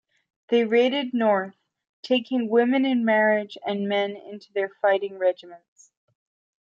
They raided north, taking women in marriage and men into their fighting regiments.